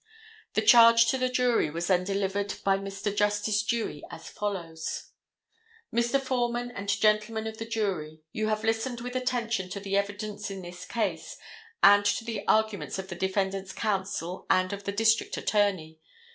The charge to the jury was then delivered by Mr. Justice Dewey, as follows: Mr. Foreman and Gentlemen of the Jury—You have listened with attention to the evidence in this case, and to the arguments of the defendant's counsel and of the district attorney.